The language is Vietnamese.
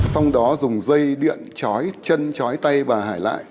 sau đó dùng dây điện chói chân chói tay bà hải lại